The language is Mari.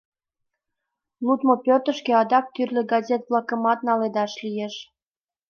Лудмо пӧртышкӧ адак тӱрлӧ газет-влакымат наледаш лиеш.